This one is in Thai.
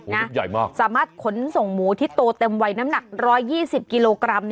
ชุดใหญ่มากสามารถขนส่งหมูที่โตเต็มวัยน้ำหนัก๑๒๐กิโลกรัม